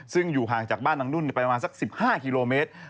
ซึ่งอยู่ห่างจากบ้านนางนุ่นไปประมาณสัก๑๕กิโลเมตร